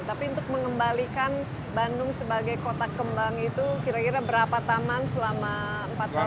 tapi untuk mengembalikan bandung sebagai kota kembang itu kira kira berapa taman selama empat tahun